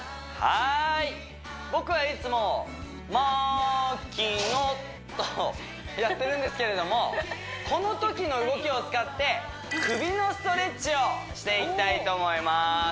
はい僕はいつもまきのとやってるんですけれどもこのときの動きを使って首のストレッチをしていきたいと思います